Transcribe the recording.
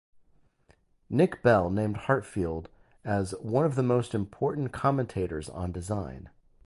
Nick Bell named Heartfield as "one of the most important commentators on design".